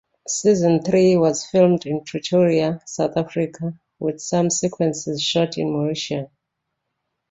Season three was filmed in Pretoria, South Africa, with some sequences shot in Mauritius.